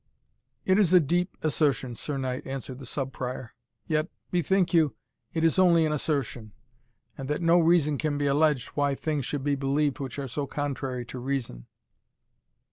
"It is a deep assertion, Sir Knight," answered the Sub Prior; "yet, bethink you, it is only an assertion, and that no reason can be alleged why things should be believed which are so contrary to reason.